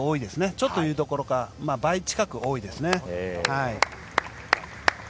ちょっとというどころか倍近く多いですね。